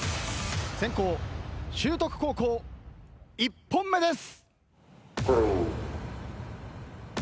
先攻修徳高校１本目です。